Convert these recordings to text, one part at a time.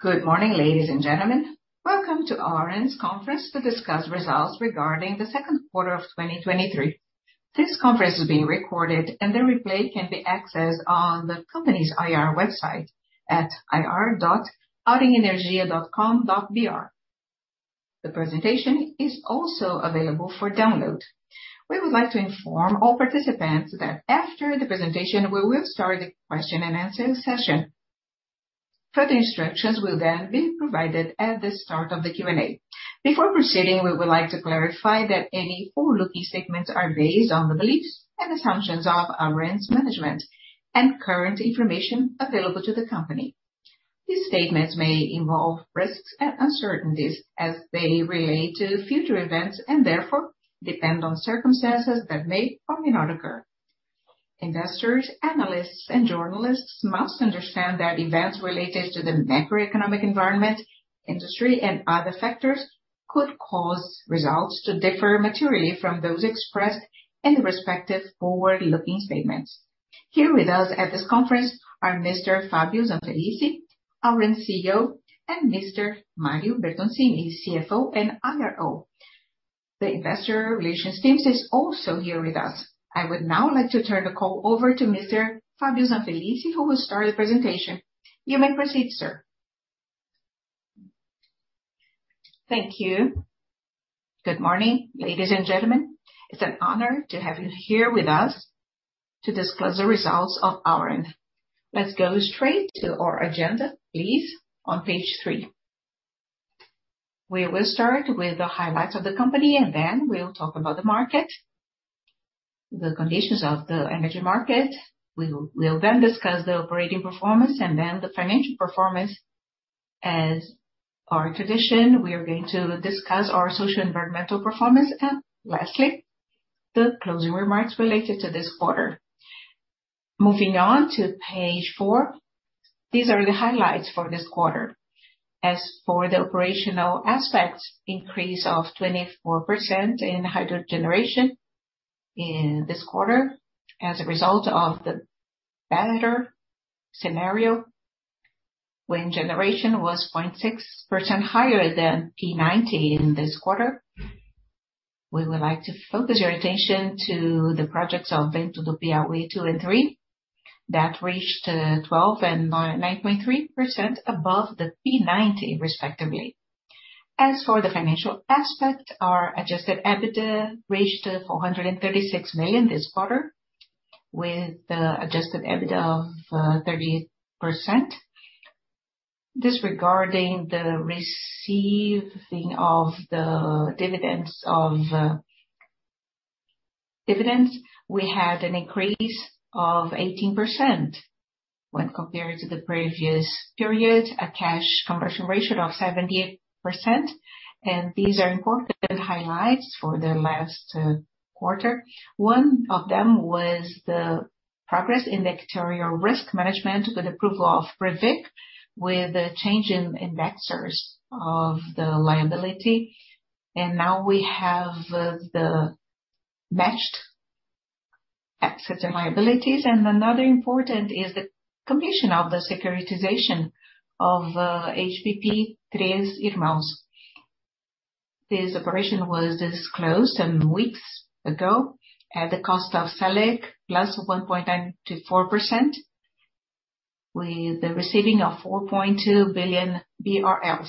Good morning, ladies and gentlemen. Welcome to Auren's conference to discuss results regarding the second quarter of 2023. This conference is being recorded, and the replay can be accessed on the company's IR website at ir.aurenenergia.com.br. The presentation is also available for download. We would like to inform all participants that after the presentation, we will start a question-and-answer session. Further instructions will then be provided at the start of the Q&A. Before proceeding, we would like to clarify that any forward-looking statements are based on the beliefs and assumptions of Auren's management and current information available to the company. These statements may involve risks and uncertainties as they relate to future events, and therefore depend on circumstances that may or may not occur. Investors, analysts, and journalists must understand that events related to the macroeconomic environment, industry, and other factors could cause results to differ materially from those expressed in the respective forward-looking statements. Here with us at this conference are Mr. Fábio Zanfelice, Auren CEO, and Mr. Mário Bertoncini, CFO and IRO. The investor relations teams is also here with us. I would now like to turn the call over to Mr. Fábio Zanfelice, who will start the presentation. You may proceed, sir. Thank you. Good morning, ladies and gentlemen. It's an honor to have you here with us to discuss the results of Auren. Let's go straight to our agenda, please, on page three. We will start with the highlights of the company, and then we'll talk about the market, the conditions of the energy market. We'll then discuss the operating performance, and then the financial performance. As our tradition, we are going to discuss our social and environmental performance. Lastly, the closing remarks related to this quarter. Moving on to page four, these are the highlights for this quarter. As for the operational aspects, increase of 24% in hydro generation in this quarter as a result of the better scenario when generation was 0.6% higher than P90 in this quarter. We would like to focus your attention to the projects of Ventos do Piauí II and III, that reached 12 and 9.3% above the P90, respectively. As for the financial aspect, our adjusted EBITDA reached 436 million this quarter, with the adjusted EBITDA of 30%. Disregarding the receiving of the dividends of dividends, we had an increase of 18% when compared to the previous period, a cash conversion ratio of 78%, and these are important highlights for the last quarter. One of them was the progress in the actuarial risk management, with approval of PREVIC, with a change in indexers of the liability. Now we have the matched assets and liabilities. Another important is the completion of the securitization of HPP Três Irmãos. This operation was disclosed some weeks ago at the cost of sale +1.94%, with the receiving of 4.2 billion BRL.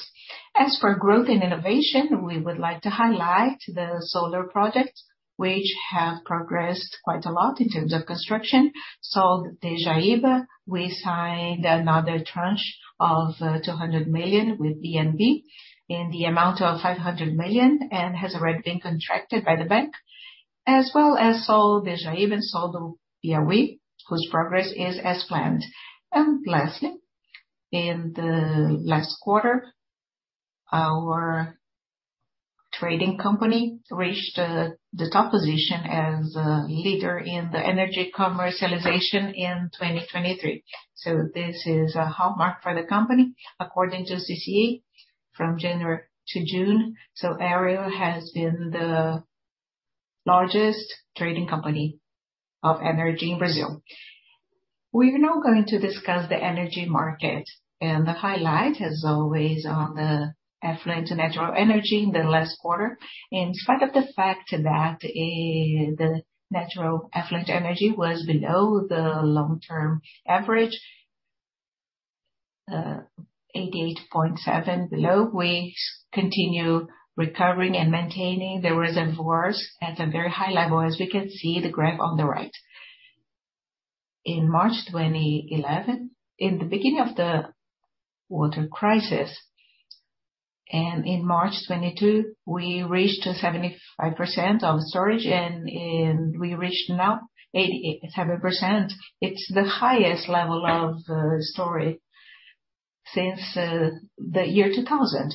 As for growth and innovation, we would like to highlight the solar projects, which have progressed quite a lot in terms of construction. Sol de Jaíba, we signed another tranche of 200 million with BNB, in the amount of 500 million, and has already been contracted by the bank. As well as Sol de Jaíba and Sol do Piauí, whose progress is as planned. Lastly, in the last quarter, our trading company reached the top position as a leader in the energy commercialization in 2023. This is a hallmark for the company, according to CCEE, from January to June. Auren has been the largest trading company of energy in Brazil. We are now going to discuss the energy market. The highlight, as always, on the affluent natural energy in the last quarter. In spite of the fact that the metro afflict energy was below the long-term average, 88.7% below, we continue recovering and maintaining the reservoirs at a very high level, as we can see the graph on the right. In March 2011, in the beginning of the water crisis, in March 2022, we reached a 75% of storage, and we reached now 87%. It's the highest level of storage since the year 2000.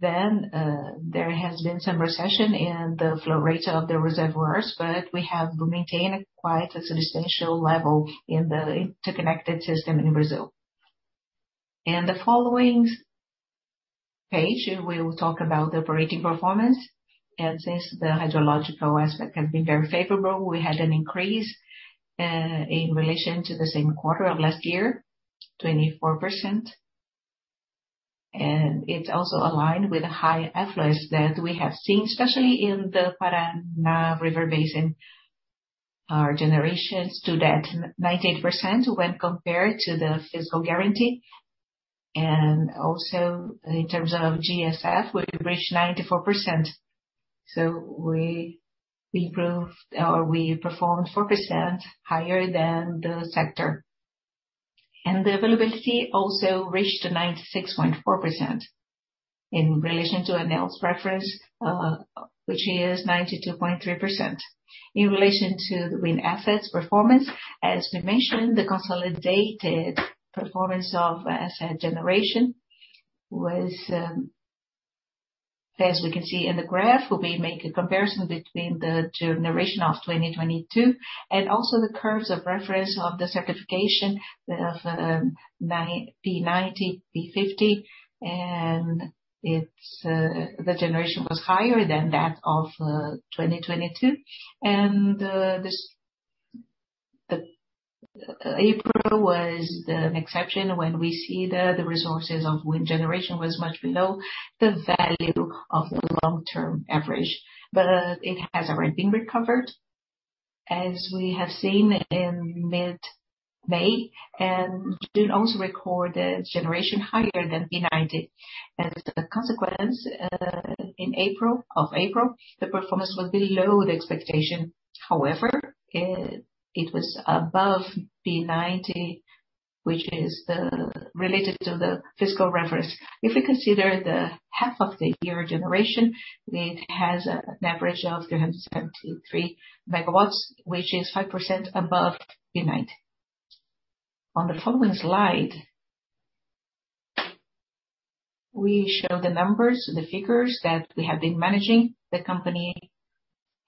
There has been some recession in the flow rate of the reservoirs, but we have maintained quite a substantial level in the interconnected system in Brazil. The following page, we will talk about the operating performance. Since the hydrological aspect has been very favorable, we had an increase in relation to the same quarter of last year, 24%. It's also aligned with a high effortless that we have seen, especially in the Paraná River Basin. Our generations to that 98% when compared to the physical guarantee, and also in terms of GSF, we reached 94%. We improved or we performed 4% higher than the sector. The availability also reached a 96.4% in relation to ANEEL's reference, which is 92.3%. In relation to the wind assets performance, as we mentioned, the consolidated performance of asset generation was, as we can see in the graph, where we make a comparison between the generation of 2022 and also the curves of reference of the certification of P90, P50. The generation was higher than that of 2022. April was the exception when we see the resources of wind generation was much below the value of the long-term average. It has already been recovered, as we have seen in mid-May, and June also recorded generation higher than P90. In April, the performance was below the expectation. It was above P90, which is related to the physical reference. If we consider the half of the year generation, it has an average of 373 MW, which is 5% above P90. On the following slide, we show the numbers, the figures that we have been managing. The company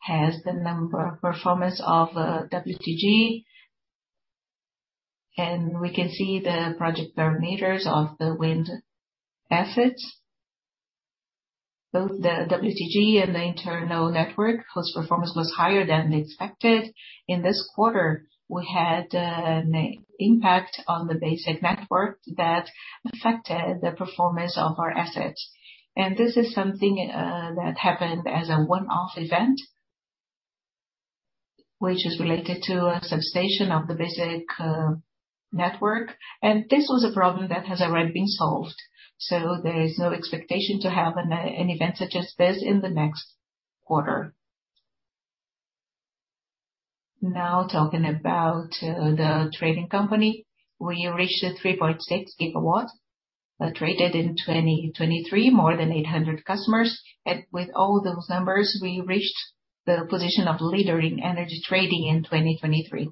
has the number of performance of WTG, and we can see the project parameters of the wind assets. Both the WTG and the internal network, whose performance was higher than expected. In this quarter, we had an impact on the basic network that affected the performance of our assets. This is something that happened as a one-off event, which is related to a substation of the basic network. This was a problem that has already been solved, so there is no expectation to have an event such as this in the next quarter. Now, talking about the trading company. We reached a 3.6 GW traded in 2023, more than 800 customers. With all those numbers, we reached the position of leader in energy trading in 2023,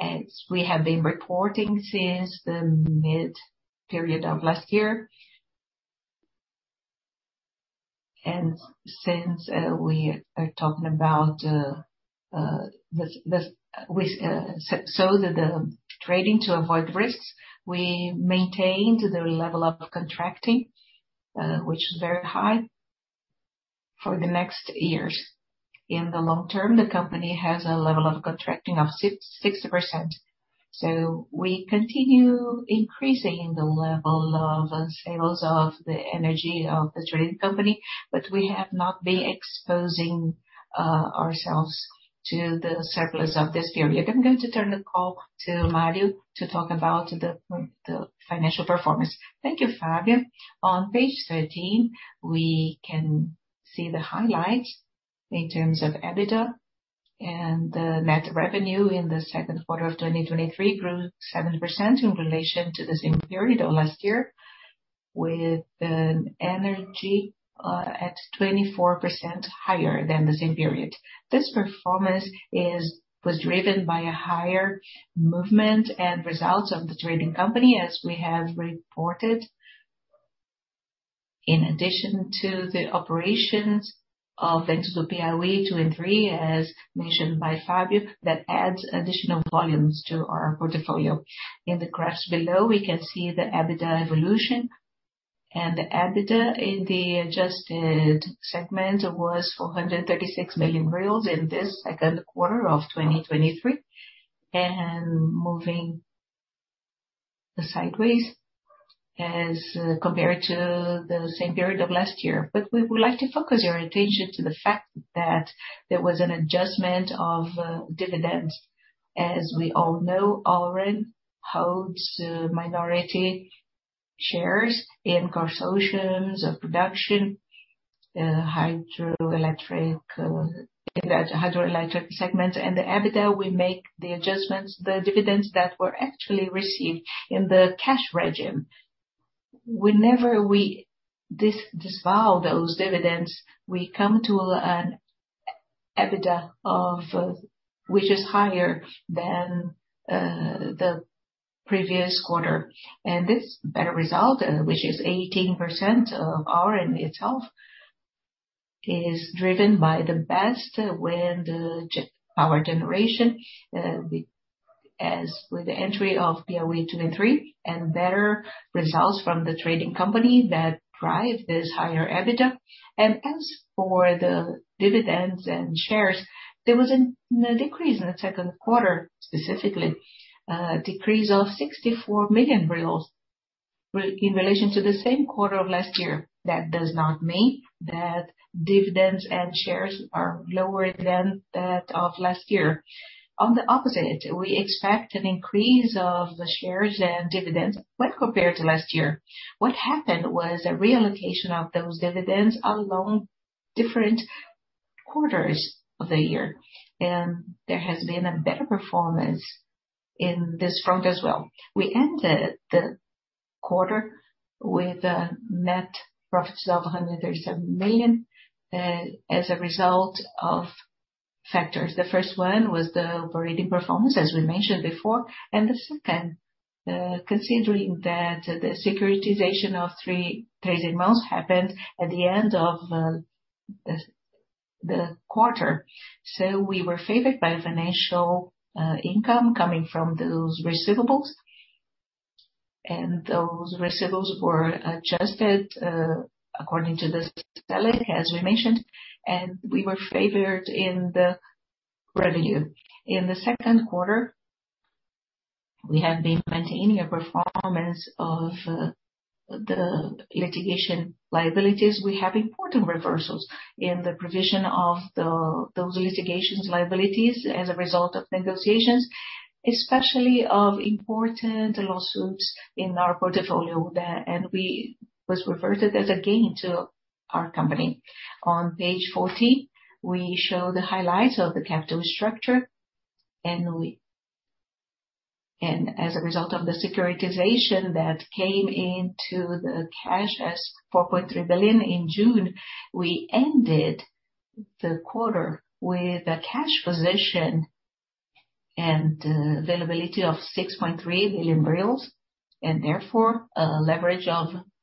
as we have been reporting since the mid-period of last year. Since, we are talking about the, the, with, so the, the trading to avoid risks, we maintained the level of contracting, which is very high for the next years. In the long term, the company has a level of contracting of 60%. We continue increasing the level of sales of the energy of the trading company, but we have not been exposing ourselves to the surplus of this period. I'm going to turn the call to Mário to talk about the financial performance. Thank you, Fabio. On page 13, we can see the highlights in terms of EBITDA, and the net revenue in the second quarter of 2023 grew 7% in relation to the same period of last year, with an energy at 24% higher than the same period. This performance was driven by a higher movement and results of the trading company, as we have reported, in addition to the operations of the Ventos do Piauí II and III, as mentioned by Fabio, that adds additional volumes to our portfolio. In the graphs below, we can see the EBITDA evolution, and the EBITDA in the adjusted segment was 436 million in this second quarter of 2023, and moving the sideways as compared to the same period of last year. We would like to focus your attention to the fact that there was an adjustment of dividends. As we all know, Auren holds minority shares in consultations of production, hydroelectric, hydroelectric segment. The EBITDA, we make the adjustments, the dividends that were actually received in the cash regime. Whenever we disavow those dividends, we come to an EBITDA of which is higher than the previous quarter. This better result, which is 18% of Auren itself, is driven by the best wind power generation, with, as with the entry of Piauí II and III, and better results from the trading company that drive this higher EBITDA. As for the dividends and shares, there was a decrease in the second quarter, specifically, a decrease of 64 million reais in relation to the same quarter of last year. That does not mean that dividends and shares are lower than that of last year. On the opposite, we expect an increase of the shares and dividends when compared to last year. What happened was a reallocation of those dividends along different quarters of the year, and there has been a better performance in this front as well. We ended the quarter with a net profit of 137 million as a result of factors. The first one was the operating performance, as we mentioned before. The second, considering that the securitization of Três Irmãos happened at the end of the quarter. We were favored by financial income coming from those receivables, and those receivables were adjusted according to the Selic, as we mentioned, and we were favored in the revenue. In the second quarter, we have been maintaining a performance of the litigation liabilities. We have important reversals in the provision of those litigation liabilities as a result of negotiations, especially of important lawsuits in our portfolio there, and was reverted as a gain to our company. On page 14, we show the highlights of the capital structure, and as a result of the securitization that came into the cash as 4.3 billion in June, we ended the quarter with a cash position and availability of 6.3 billion,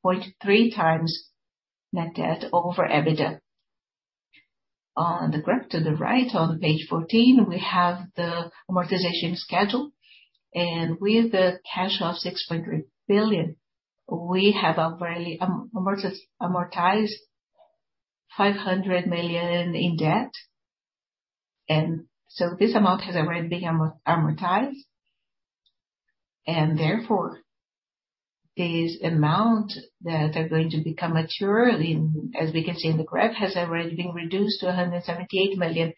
and therefore, a leverage of 0.3x net debt over EBITDA. On the graph to the right, on page 14, we have the amortization schedule, with the cash of 6.3 billion, we have already amortized, amortized 500 million in debt. This amount has already been amortized, and therefore, this amount that are going to become mature, in, as we can see in the graph, has already been reduced to 178 million.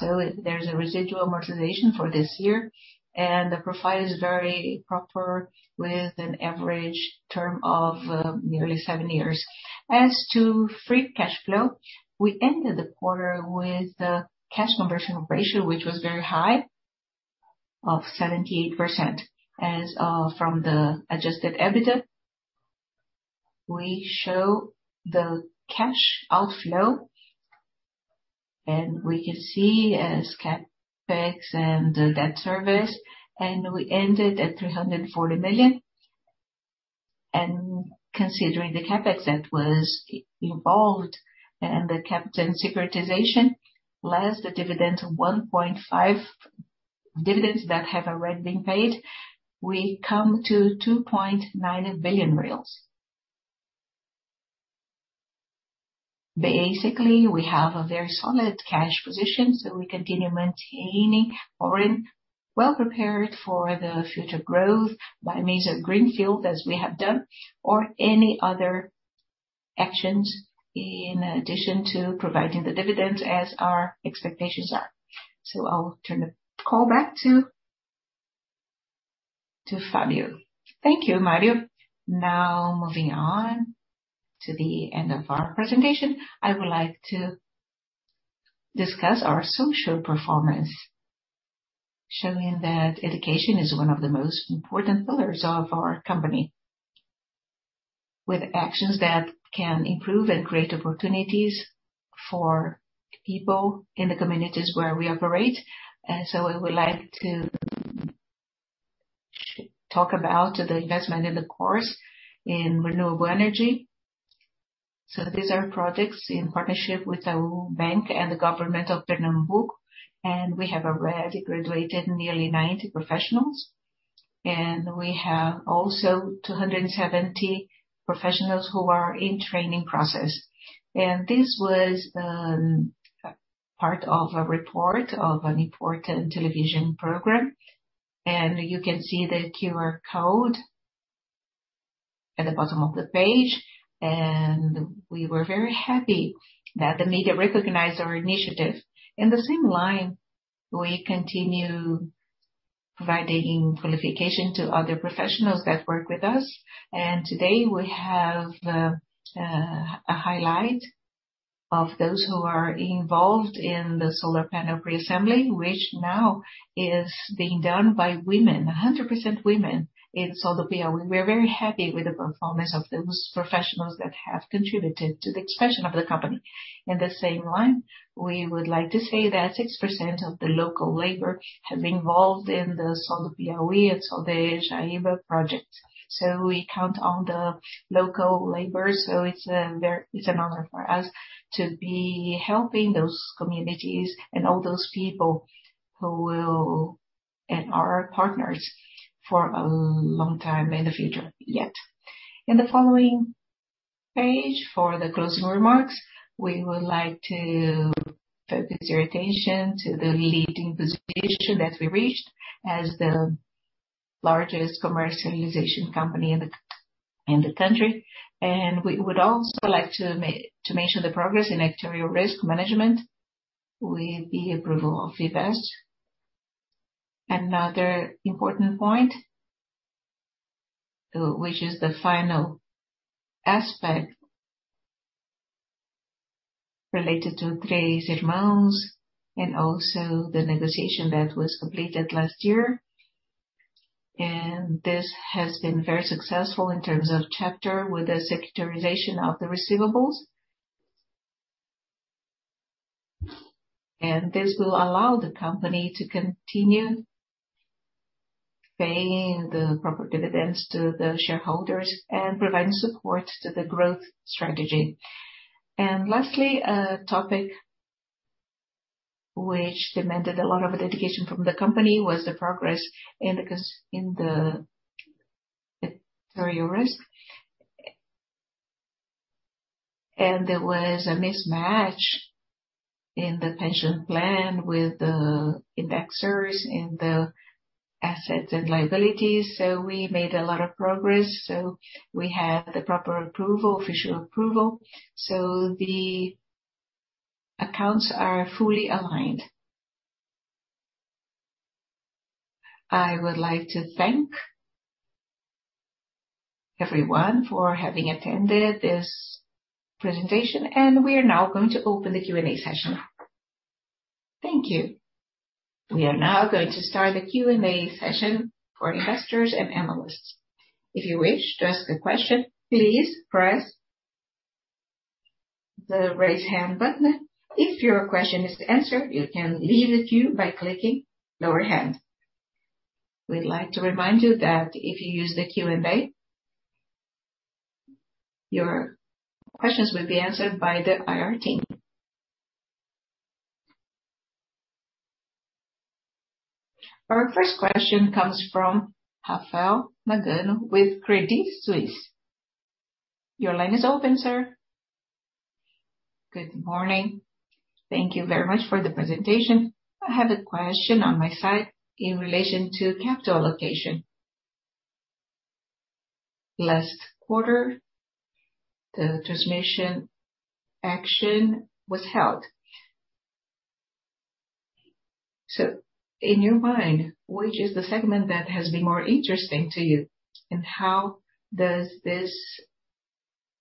There's a residual amortization for this year, and the profile is very proper, with an average term of nearly seven years. As to free cash flow, we ended the quarter with the cash conversion ratio, which was very high, of 78%. As from the adjusted EBITDA, we show the cash outflow, and we can see as CapEx and the debt service, and we ended at 340 million. Considering the CapEx that was involved and the capital securitization, less the dividend of 1.5, dividends that have already been paid, we come to 2.9 billion reais. Basically, we have a very solid cash position, so we continue maintaining, or well prepared for the future growth by means of greenfield, as we have done, or any other actions in addition to providing the dividends as our expectations are. I'll turn the call back to Fabio. Thank you, Mário. Now, moving on to the end of our presentation, I would like to discuss our social performance, showing that education is one of the most important pillars of our company, with actions that can improve and create opportunities for people in the communities where we operate. I would like to talk about the investment in the course in renewable energy. These are projects in partnership with our bank and the government of Pernambuco, and we have already graduated nearly 90 professionals, and we have also 270 professionals who are in training process. This was part of a report of an important television program, and you can see the QR code at the bottom of the page, and we were very happy that the media recognized our initiative. In the same line, we continue providing qualification to other professionals that work with us, and today we have a highlight of those who are involved in the solar panel reassembly, which now is being done by women, 100% women in Sol do Piauí. We're very happy with the performance of those professionals that have contributed to the expansion of the company. In the same line, we would like to say that 6% of the local labor have involved in the Sol do Piauí and Sol de Jaíba project. We count on the local labor, so it's, very, it's an honor for us to be helping those communities and all those people who will... and our partners for a long time in the future, yet. In the following page, for the closing remarks, we would like to focus your attention to the leading position that we reached as the largest commercialization company in the country. We would also like to mention the progress in actuarial risk management with the approval of Vivest. Another important point, which is the final aspect related to Três Irmãos, and also the negotiation that was completed last year. This has been very successful in terms of chapter, with the securitization of the receivables. This will allow the company to continue paying the proper dividends to the shareholders and providing support to the growth strategy. Lastly, a topic which demanded a lot of dedication from the company, was the progress in the actuarial risk. There was a mismatch in the pension plan with the indexers in the assets and liabilities. We made a lot of progress. We have the proper approval, official approval. The accounts are fully aligned. I would like to thank everyone for having attended this presentation. We are now going to open the Q&A session. Thank you. We are now going to start the Q&A session for investors and analysts. If you wish to ask a question, please press the Raise Hand button. If your question is answered, you can leave the queue by clicking Lower Hand. We'd like to remind you that if you use the Q&A, your questions will be answered by the IR team. Our first question comes from Rafael Nagano with Credit Suisse. Your line is open, sir. Good morning. Thank you very much for the presentation. I have a question on my side in relation to capital allocation. Last quarter, the transmission action was held. In your mind, which is the segment that has been more interesting to you, and how does this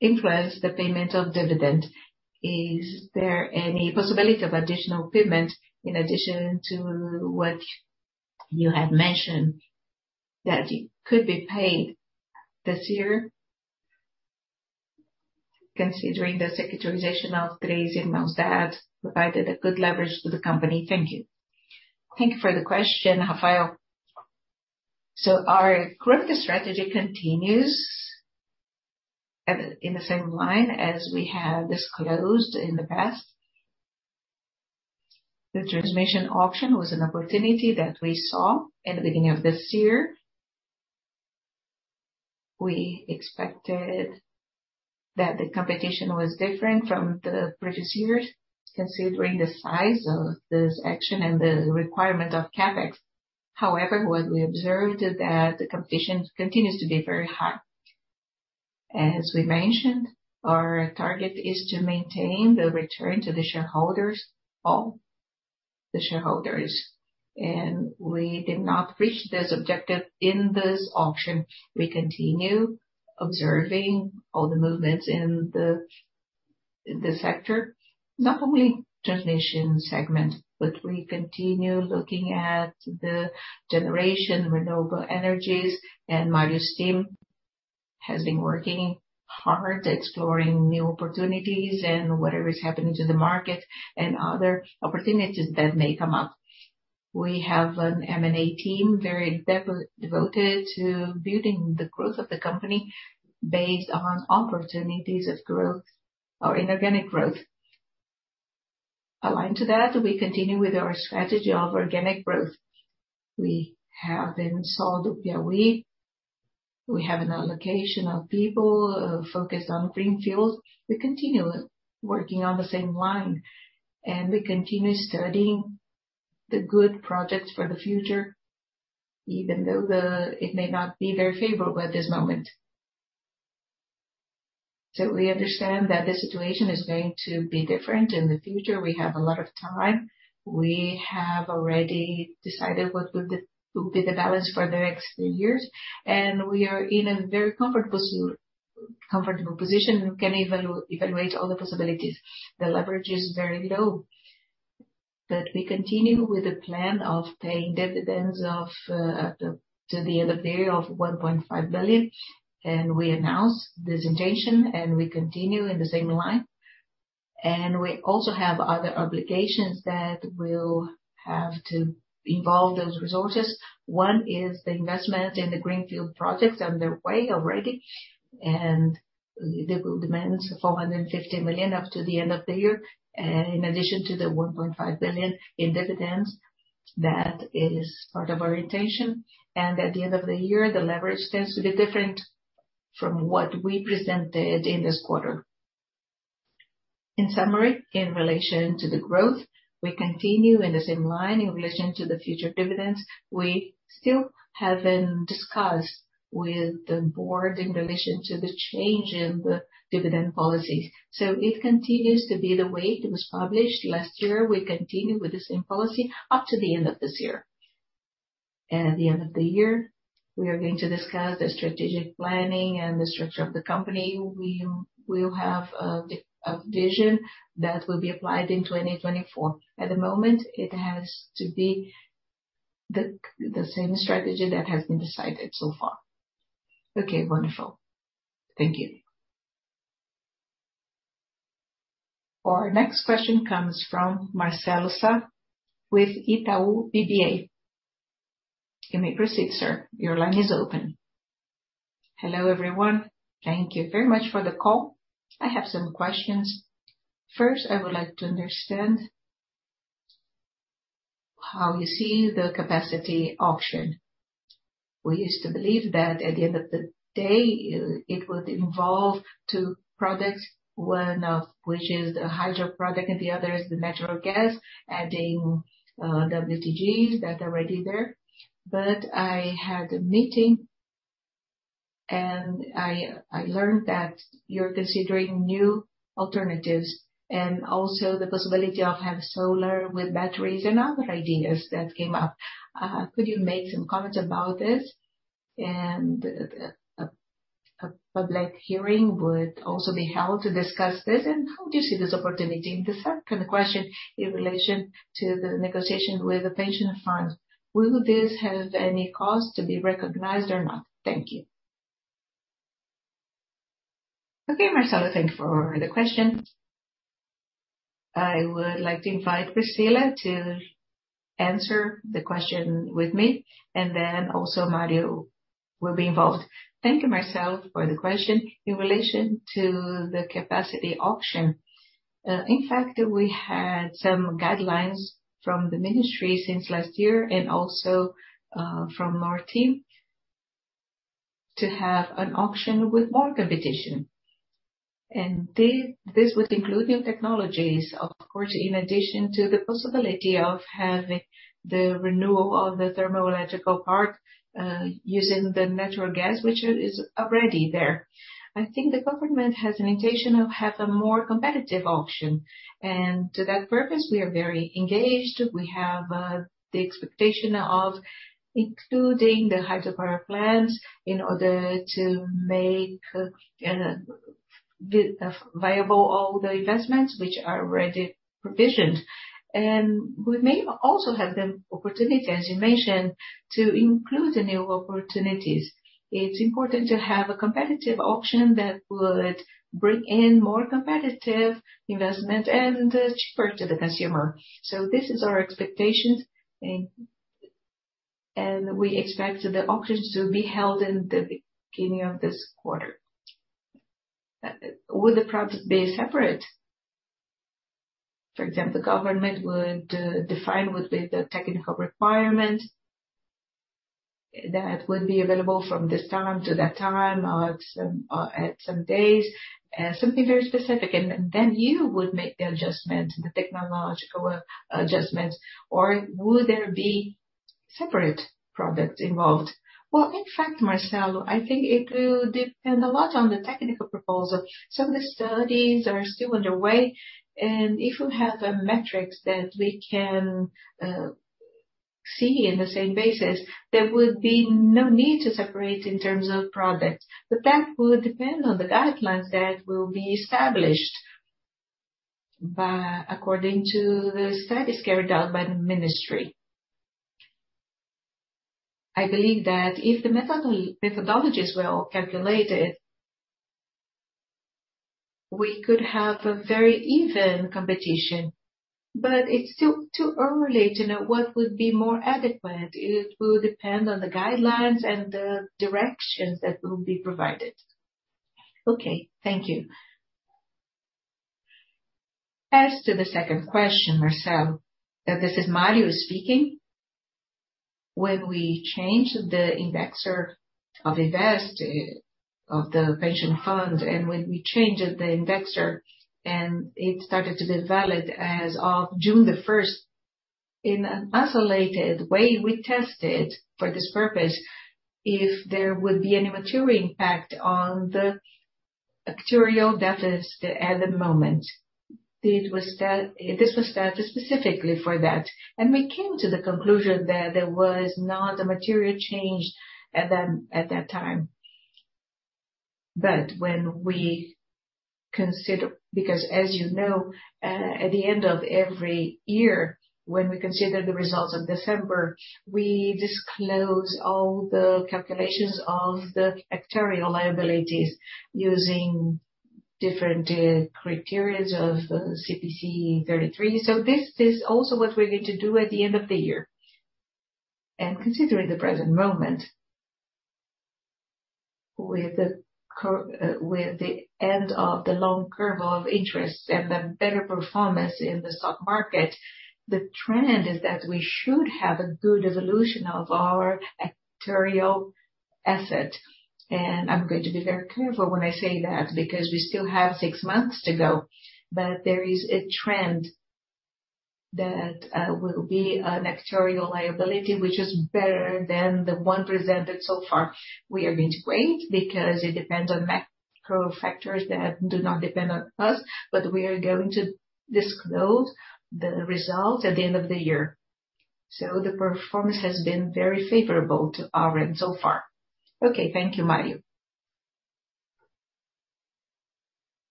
influence the payment of dividend? Is there any possibility of additional payment in addition to what you have mentioned, that it could be paid this year, considering the securitization of Três Irmãos that provided a good leverage to the company? Thank you. Thank you for the question, Rafael. Our growth strategy continues in the same line as we have disclosed in the past. The transmission auction was an opportunity that we saw in the beginning of this year. We expected that the competition was different from the previous years, considering the size of this action and the requirement of CapEx. However, what we observed is that the competition continues to be very high. As we mentioned, our target is to maintain the return to the shareholders, all the shareholders, and we did not reach this objective in this auction. We continue observing all the movements in the, in the sector, not only transmission segment, but we continue looking at the generation, renewable energies. Mário's team has been working hard, exploring new opportunities and whatever is happening to the market and other opportunities that may come up. We have an M&A team, very devoted to building the growth of the company based on opportunities of growth or inorganic growth. Aligned to that, we continue with our strategy of organic growth. We have installed Piauí, we have an allocation of people focused on greenfields. We continue working on the same line, and we continue studying the good projects for the future, even though It may not be very favorable at this moment. We understand that the situation is going to be different in the future. We have a lot of time. We have already decided what will be the balance for the next three years, and we are in a very comfortable position and can evaluate all the possibilities. The leverage is very low, but we continue with the plan of paying dividends of to, to the other period of 1.5 billion. We announce this intention, and we continue in the same line. We also have other obligations that will have to involve those resources.... One is the investment in the greenfield projects underway already. They will demand 450 million up to the end of the year, in addition to the 1.5 billion in dividends, that is part of our intention. At the end of the year, the leverage tends to be different from what we presented in this quarter. In summary, in relation to the growth, we continue in the same line. In relation to the future dividends, we still haven't discussed with the board in relation to the change in the dividend policy. It continues to be the way it was published last year. We continue with the same policy up to the end of this year. At the end of the year, we are going to discuss the strategic planning and the structure of the company. We will have a vision that will be applied in 2024. At the moment, it has to be the same strategy that has been decided so far. Okay, wonderful. Thank you. Our next question comes from Marcelo Sá with Itaú BBA. You may proceed, sir. Your line is open. Hello, everyone. Thank you very much for the call. I have some questions. First, I would like to understand how you see the capacity auction. We used to believe that at the end of the day, it would involve two products, one of which is the hydro product and the other is the natural gas, adding, WTGs that are already there. I had a meeting, and I, I learned that you're considering new alternatives and also the possibility of having solar with batteries and other ideas that came up. Could you make some comments about this? A, a, a public hearing would also be held to discuss this, and how do you see this opportunity? The second question in relation to the negotiations with the pension funds, will this have any cost to be recognized or not? Thank you. Okay, Marcelo Sá, thank you for the question. I would like to invite Priscilla to answer the question with me, and then also Mário will be involved. Thank you, Marcelo Sá, for the question. In relation to the capacity auction, in fact, we had some guidelines from the ministry since last year and also from our team to have an auction with more competition. This would include new technologies, of course, in addition to the possibility of having the renewal of the thermal electrical part, using the natural gas, which is already there. I think the government has an intention to have a more competitive auction, and to that purpose, we are very engaged. We have the expectation of including the hydropower plants in order to make the viable all the investments which are already provisioned. We may also have the opportunity, as you mentioned, to include the new opportunities. It's important to have a competitive auction that would bring in more competitive investment and cheaper to the consumer. This is our expectations, and, and we expect the auctions to be held in the beginning of this quarter. Will the products be separate? For example, the government would define what the technical requirement that would be available from this time to that time or at some, at some days, something very specific, and then you would make the adjustment, the technological adjustments, or would there be separate products involved? In fact, Marcelo, I think it will depend a lot on the technical proposal. Some of the studies are still underway, and if we have a metrics that we can see in the same basis, there would be no need to separate in terms of products. That will depend on the guidelines that will be established according to the studies carried out by the ministry. I believe that if the methodologies were all calculated, we could have a very even competition, but it's still too early to know what would be more adequate. It will depend on the guidelines and the directions that will be provided. Okay, thank you. As to the second question, Marcelo, this is Mário speaking. When we changed the indexer of Vivest, of the pension fund, and when we changed the indexer and it started to be valid as of June the 1st, in an isolated way, we tested for this purpose, if there would be any material impact on the actuarial deficit at the moment. This was studied specifically for that, and we came to the conclusion that there was not a material change at that, at that time. But when we consider... As you know, at the end of every year, when we consider the results of December, we disclose all the calculations of the actuarial liabilities using different criteria of CPC 33. This is also what we're going to do at the end of the year. Considering the present moment, with the end of the long curve of interest and the better performance in the stock market, the trend is that we should have a good evolution of our actuarial asset. I'm going to be very careful when I say that, because we still have six months to go. There is a trend that, will be an actuarial liability, which is better than the one presented so far. We are going to wait, because it depends on macro factors that do not depend on us, but we are going to disclose the results at the end of the year. The performance has been very favorable to Auren so far. Okay, thank you, Mário.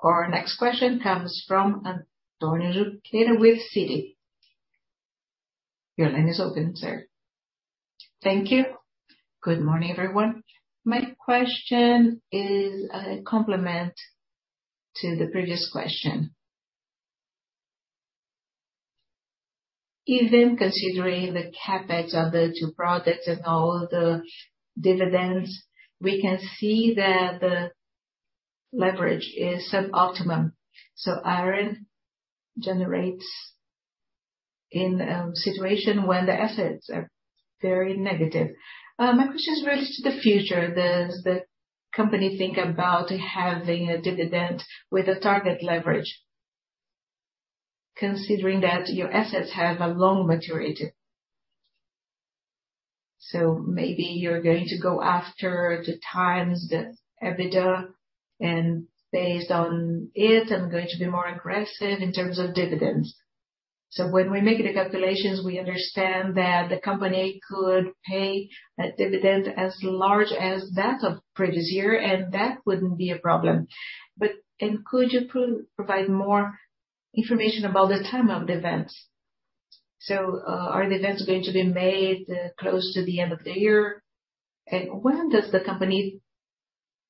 Our next question comes from Antônio Junqueira with Citi. Your line is open, sir. Thank you. Good morning, everyone. My question is a complement to the previous question. Even considering the CapEx of the two products and all the dividends, we can see that the leverage is sub-optimum, so Auren generates in a situation when the assets are very negative. My question is related to the future. Does the company think about having a dividend with a target leverage, considering that your assets have a long maturity? Maybe you're going to go after the times, the EBITDA, and based on it, I'm going to be more aggressive in terms of dividends. When we make the calculations, we understand that the company could pay a dividend as large as that of previous year, and that wouldn't be a problem. Could you provide more information about the time of the events? Are the events going to be made close to the end of the year? When does the company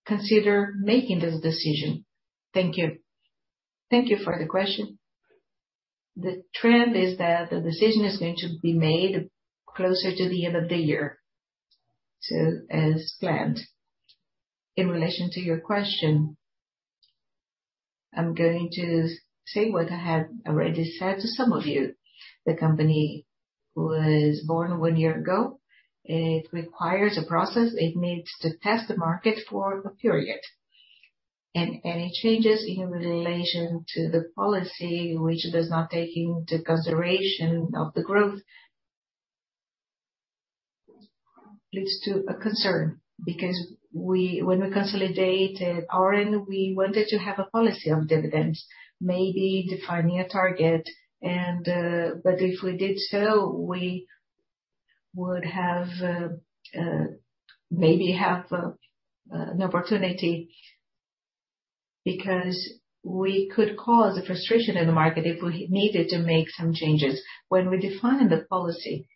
consider making this decision? Thank you. Thank you for the question. The trend is that the decision is going to be made closer to the end of the year, as planned. In relation to your question, I'm going to say what I have already said to some of you. The company was born one year ago. It requires a process. It needs to test the market for a period. Any changes in relation to the policy, which does not take into consideration of the growth, leads to a concern, because we, when we consolidated Auren, we wanted to have a policy of dividends, maybe defining a target. If we did so, we would have, maybe have, an opportunity, because we could cause a frustration in the market if we needed to make some changes. When we define the policy,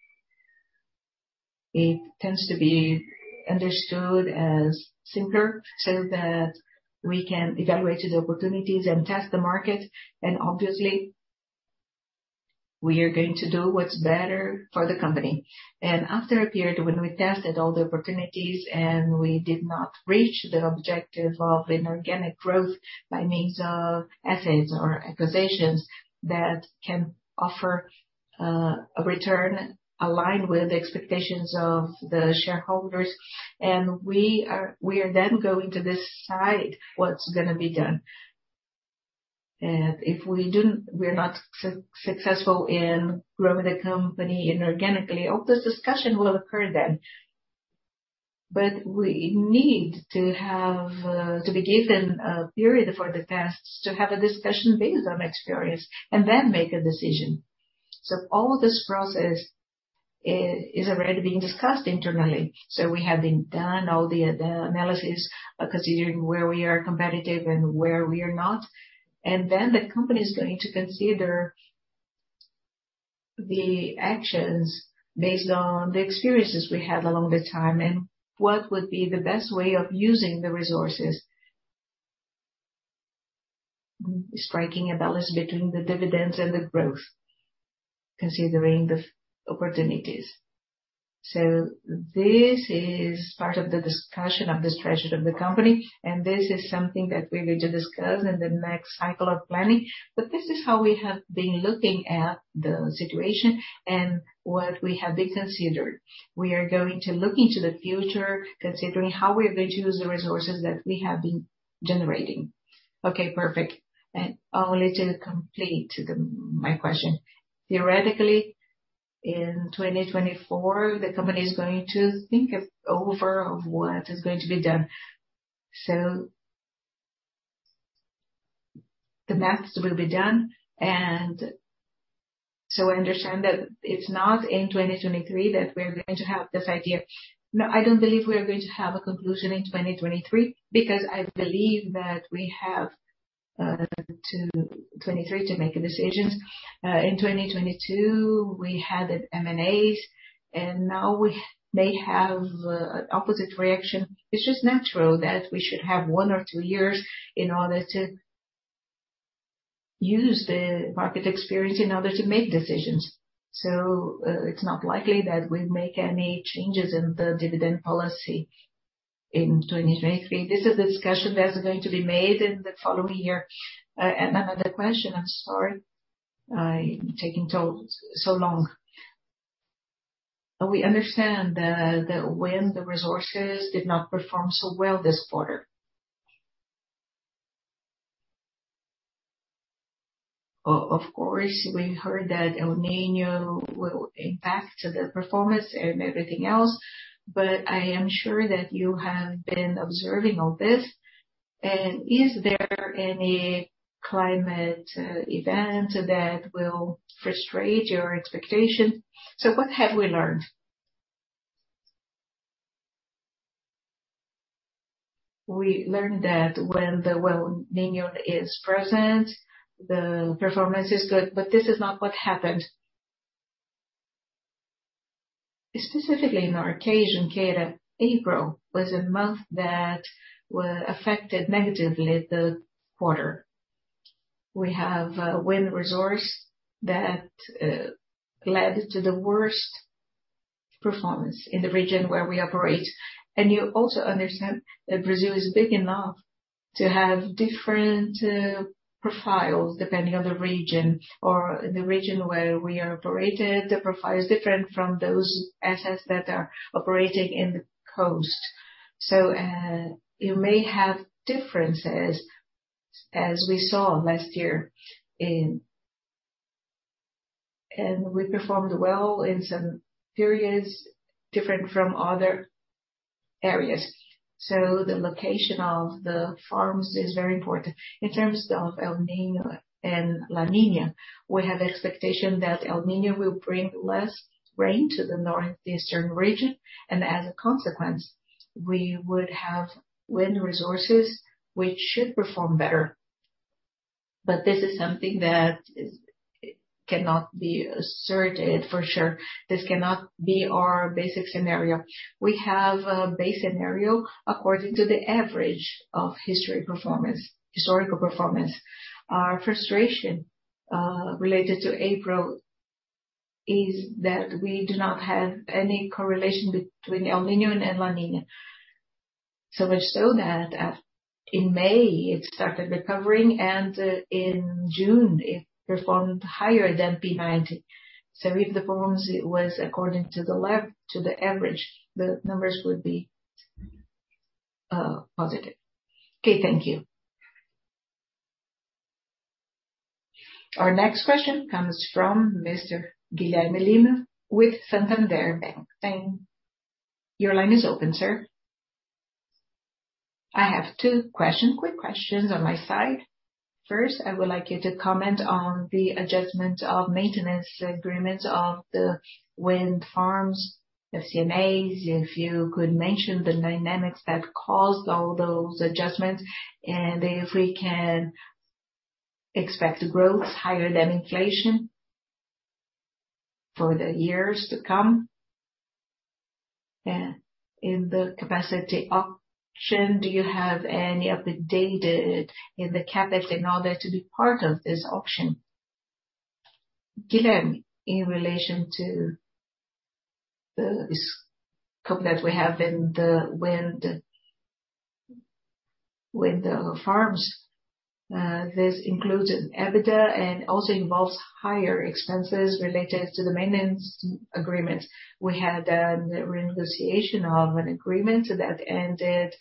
it tends to be understood as simpler, so that we can evaluate the opportunities and test the market. Obviously, we are going to do what's better for the company. After a period when we tested all the opportunities and we did not reach the objective of inorganic growth by means of assets or acquisitions, that can offer a return aligned with the expectations of the shareholders, and we are, we are then going to decide what's gonna be done. If we didn't-- we're not successful in growing the company inorganically, all this discussion will occur then. We need to have to be given a period for the tests, to have a discussion based on experience and then make a decision. All this process is already being discussed internally. We have been done all the analysis considering where we are competitive and where we are not. The company is going to consider the actions based on the experiences we had along the time, and what would be the best way of using the resources, striking a balance between the dividends and the growth, considering the opportunities. This is part of the discussion of the strategy of the company, and this is something that we're going to discuss in the next cycle of planning. This is how we have been looking at the situation and what we have been considered. We are going to look into the future, considering how we are going to use the resources that we have been generating. Okay, perfect. Only to complete my question, theoretically, in 2024, the company is going to think of what is going to be done. The math will be done, and so I understand that it's not in 2023 that we're going to have this idea. No, I don't believe we are going to have a conclusion in 2023, because I believe that we have to 2023 to make decisions. In 2022, we had an M&As, and now we- they have opposite reaction. It's just natural that we should have one or two years in order to use the market experience in order to make decisions. It's not likely that we make any changes in the dividend policy in 2023. This is a discussion that is going to be made in the following year. Another question, I'm sorry, I'm taking so, so long. We understand that, that wind, the resources did not perform so well this quarter. Of course, we heard that El Niño will impact to their performance and everything else, I am sure that you have been observing all this. Is there any climate event that will frustrate your expectation? What have we learned? We learned that when the El Niño is present, the performance is good, This is not what happened. Specifically in our occasion, Junqueira, April was a month that affected negatively the quarter. We have wind resource that led to the worst performance in the region where we operate. You also understand that Brazil is big enough to have different profiles depending on the region, or the region where we are operated, the profile is different from those assets that are operating in the coast. You may have differences, as we saw last year in... We performed well in some periods, different from other areas. The location of the farms is very important. In terms of El Niño and La Niña, we have expectation that El Niño will bring less rain to the Northeastern region, and as a consequence, we would have wind resources, which should perform better. This is something that cannot be asserted for sure. This cannot be our basic scenario. We have a base scenario according to the average of historical performance. Our frustration related to April, is that we do not have any correlation between El Niño and La Niña. Much so that in May, it started recovering, and in June, it performed higher than P90. If the performance was according to the left, to the average, the numbers would be positive. Okay, thank you. Our next question comes from Mr. Guilherme Lima with Santander Bank. Your line is open, sir. I have two quick questions on my side. First, I would like you to comment on the adjustment of maintenance agreements of the wind farms, the FC&As. If you could mention the dynamics that caused all those adjustments, and if we can expect growth higher than inflation for the years to come. In the capacity auction, do you have any updated in the CapEx in order to be part of this auction? Guilherme, in relation to the scope that we have in the wind farms, this includes an EBITDA and also involves higher expenses related to the maintenance agreement. We had renegotiation of an agreement that ended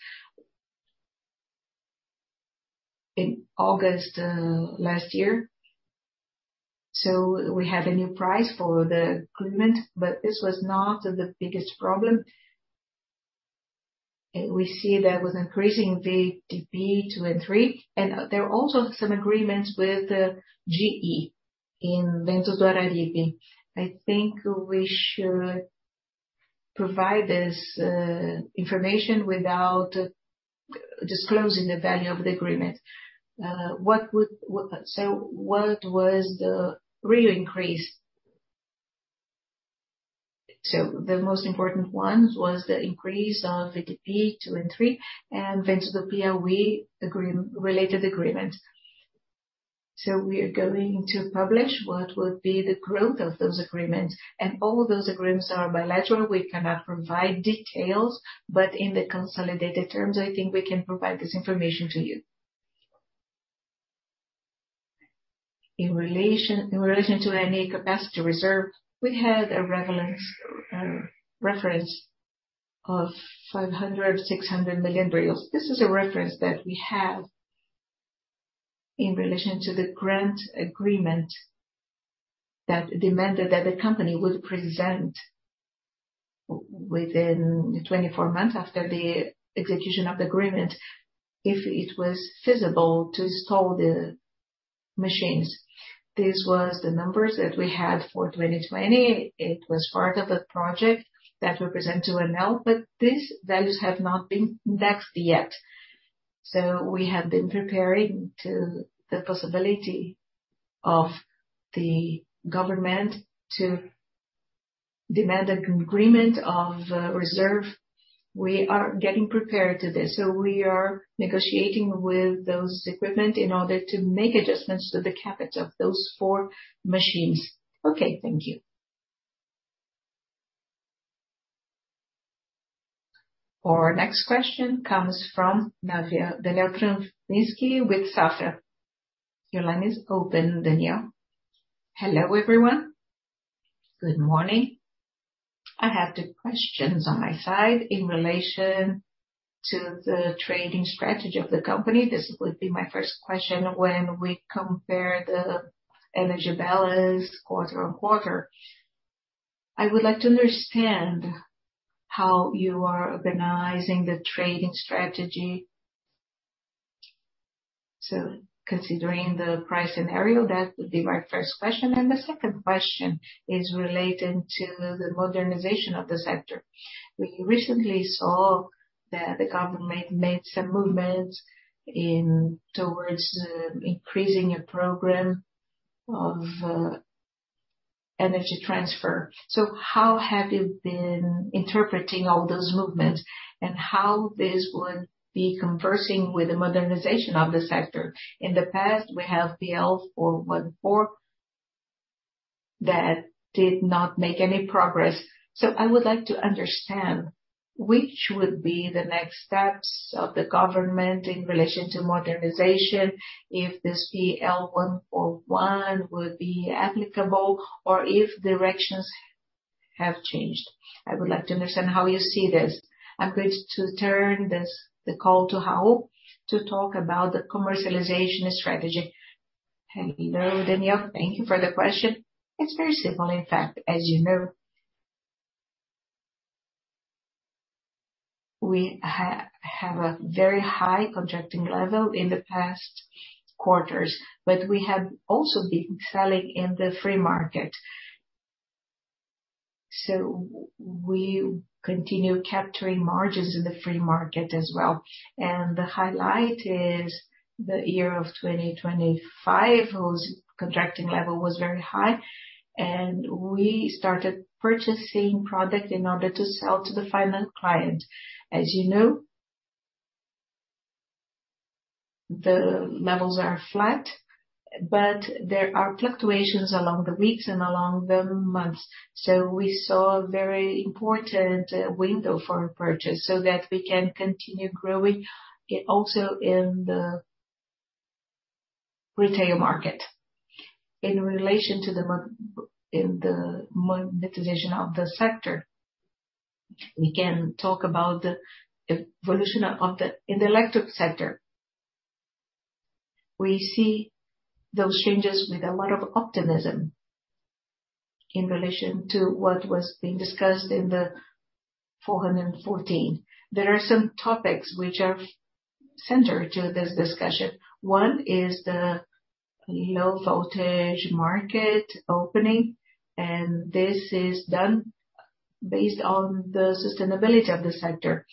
in August last year. We have a new price for the agreement, but this was not the biggest problem. We see that with increasing VDP II and III. There are also some agreements with GE in Ventos do Araripe. I think we should provide this information without disclosing the value of the agreement. What was the real increase? The most important one was the increase of VDP II and III, and Ventos do Piauí related agreement. We are going to publish what would be the growth of those agreements. All those agreements are bilateral. We cannot provide details, but in the consolidated terms, I think we can provide this information to you. In relation to any capacity reserve, we had a relevance reference of 500 million-600 million. This is a reference that we have in relation to the grant agreement that demanded that the company would present within 24 months after the execution of the agreement, if it was feasible to install the machines. This was the numbers that we had for 2020. It was part of a project that we present to ANEEL, but these values have not been indexed yet. We have been preparing to the possibility of the government to demand an agreement of reserve. We are getting prepared to this, we are negotiating with those equipment in order to make adjustments to the CapEx of those four machines. Okay, thank you. Our next question comes from Daniel Travitzky with Safra. Your line is open, Daniel. Hello, everyone. Good morning. I have two questions on my side in relation to the trading strategy of the company. This would be my first question. When we compare the energy balance quarter-on-quarter, I would like to understand how you are organizing the trading strategy. Considering the price scenario, that would be my first question. The second question is related to the modernization of the sector. We recently saw that the government made some movements in towards increasing a program of energy transfer. How have you been interpreting all those movements, and how this would be conversing with the modernization of the sector? In the past, we have PL414 that did not make any progress. I would like to understand which would be the next steps of the government in relation to modernization, if this PL141 would be applicable or if directions have changed. I would like to understand how you see this. I'm going to turn this, the call to Raul to talk about the commercialization strategy. Hello, Daniel. Thank you for the question. It's very simple. In fact, as you know, we have a very high contracting level in the past quarters, but we have also been selling in the free market. We continue capturing margins in the free market as well. The highlight is the year of 2025, whose contracting level was very high, and we started purchasing product in order to sell to the final client. As you know, the levels are flat, but there are fluctuations along the weeks and along the months. We saw a very important window for purchase so that we can continue growing, also in the retail market. In relation to the modernization of the sector, we can talk about the evolution of the... In the electric sector, we see those changes with a lot of optimism in relation to what was being discussed in the 414. There are some topics which are center to this discussion. One is the low voltage market opening, and this is done based on the sustainability of the sector.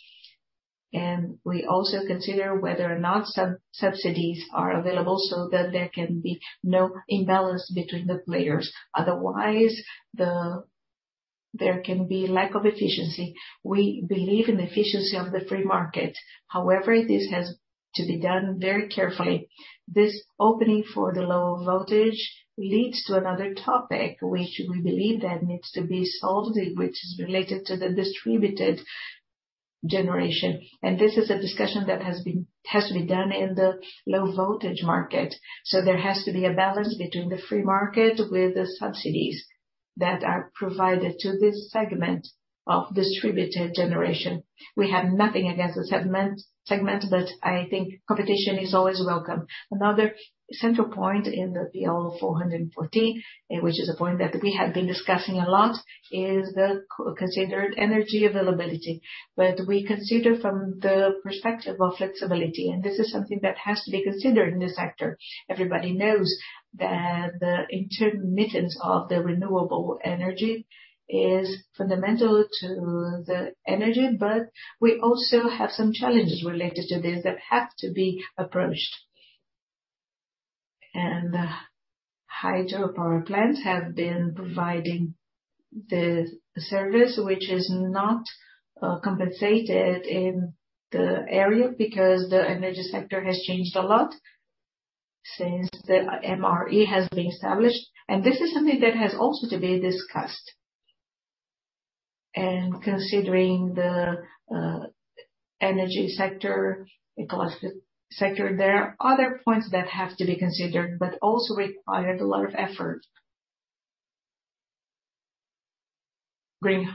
We also consider whether or not subsidies are available so that there can be no imbalance between the players. Otherwise, there can be lack of efficiency. We believe in the efficiency of the free market. However, this has to be done very carefully. This opening for the low voltage leads to another topic, which we believe that needs to be solved, which is related to the distributed generation. This is a discussion that has been, has to be done in the low voltage market. There has to be a balance between the free market with the subsidies that are provided to this segment of distributed generation. We have nothing against the segment, but I think competition is always welcome. Another central point in the PL414, which is a point that we have been discussing a lot, is the co- considered energy availability. We consider from the perspective of flexibility, and this is something that has to be considered in the sector. Everybody knows that the intermittence of the renewable energy is fundamental to the energy, we also have some challenges related to this that have to be approached. The hydropower plants have been providing the service, which is not compensated in the area because the energy sector has changed a lot since the MRE has been established, and this is something that has also to be discussed. Considering the energy sector, ecological sector, there are other points that have to be considered, but also required a lot of effort. Green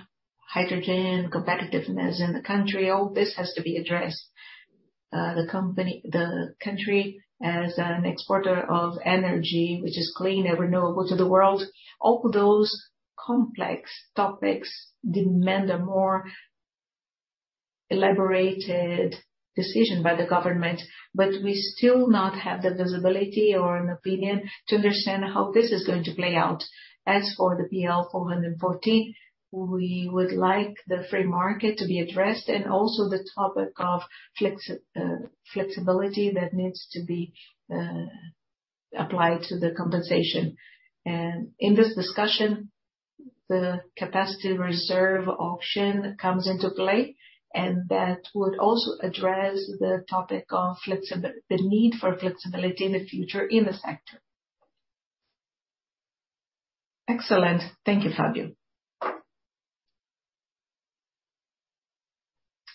hydrogen, competitiveness in the country, all this has to be addressed. The country, as an exporter of energy, which is clean and renewable to the world, all those complex topics demand an elaborated decision by the government, but we still not have the visibility or an opinion to understand how this is going to play out. As for the PL414, we would like the free market to be addressed and also the topic of flexibility that needs to be applied to the compensation. In this discussion, the capacity reserve option comes into play, and that would also address the topic of flexibility, the need for flexibility in the future in the sector. Excellent. Thank you, Fabio.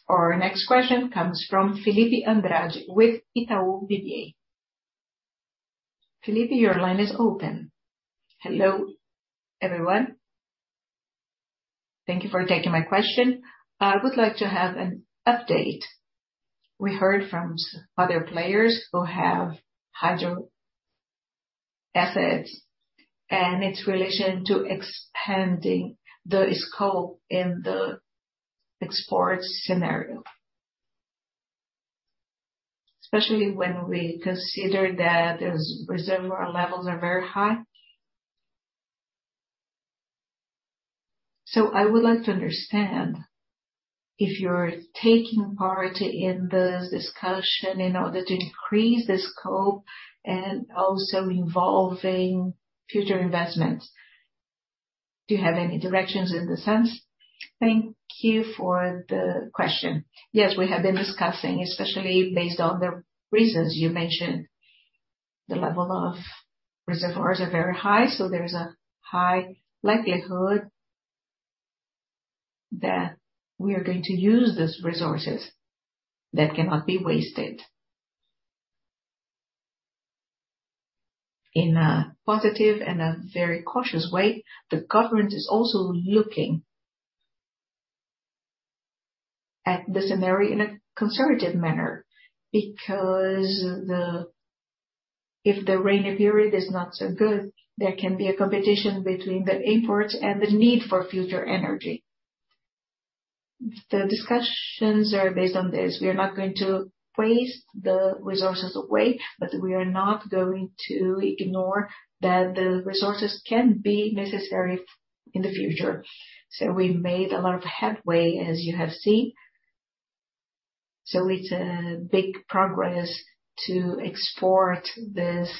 Our next question comes from Felipe Andrade with Itaú BBA. Felipe, your line is open. Hello, everyone. Thank you for taking my question. I would like to have an update. We heard from other players who have hydro assets and its relation to expanding the scope in the export scenario, especially when we consider that those reservoir levels are very high. I would like to understand if you're taking part in this discussion in order to decrease the scope and also involving future investments. Do you have any directions in this sense? Thank you for the question. Yes, we have been discussing, especially based on the reasons you mentioned. The level of reservoirs are very high, so there's a high likelihood that we are going to use these resources that cannot be wasted. In a positive and a very cautious way, the government is also looking at the scenario in a conservative manner, because the if the rainy period is not so good, there can be a competition between the imports and the need for future energy. The discussions are based on this. We are not going to waste the resources away, but we are not going to ignore that the resources can be necessary in the future. We made a lot of headway, as you have seen. It's a big progress to export this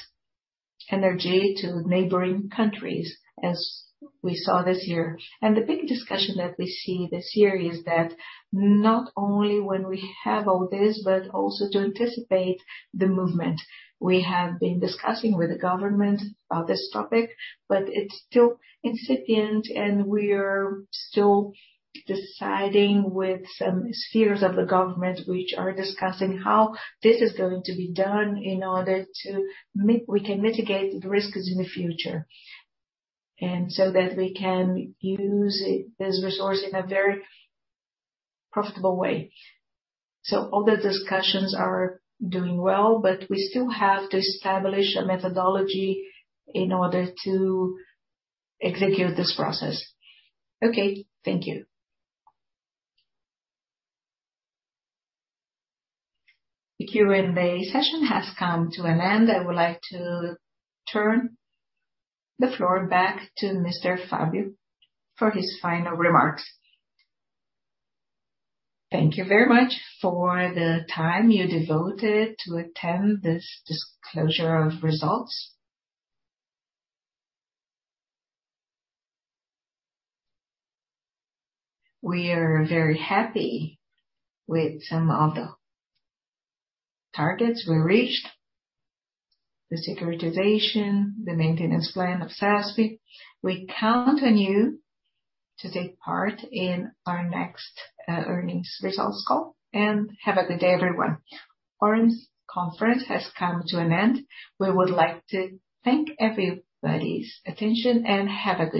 energy to neighboring countries, as we saw this year. The big discussion that we see this year is that not only when we have all this, but also to anticipate the movement. We have been discussing with the government about this topic, but it's still incipient, and we are still deciding with some spheres of the government, which are discussing how this is going to be done in order to we can mitigate the risks in the future, and so that we can use it, this resource, in a very profitable way. All the discussions are doing well, but we still have to establish a methodology in order to execute this process. Okay, thank you. The Q&A session has come to an end. I would like to turn the floor back to Mr. Fabio for his final remarks. Thank you very much for the time you devoted to attend this disclosure of results. We are very happy with some of the targets we reached, the securitization, the maintenance plan of CESP. We count on you to take part in our next earnings results call, and have a good day, everyone. Auren's conference has come to an end. We would like to thank everybody's attention and have a good day.